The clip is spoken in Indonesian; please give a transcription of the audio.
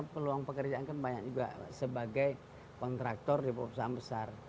peluang pekerjaan kan banyak juga sebagai kontraktor di perusahaan besar